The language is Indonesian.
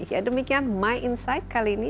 ya demikian my insight kali ini